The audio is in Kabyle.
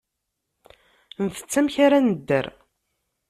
Ntett amek ara nedder.